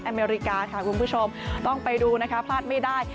อเมริกาค่ะคุณผู้ชมต้องไปดูนะคะพลาดไม่ได้